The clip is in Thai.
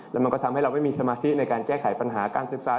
แล้วมันก็ทำให้เราไม่มีสมาธิในการแก้ไขปัญหาการศึกษา